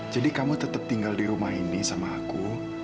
jadi kamu tetap tinggal di rumah ini sama aku